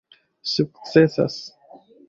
sukcesas